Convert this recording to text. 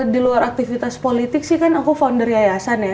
di luar aktivitas politik sih kan aku founder yayasan ya